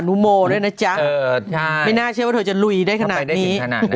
นุโมด้วยนะจ๊ะไม่น่าเชื่อว่าเธอจะลุยได้ขนาดนี้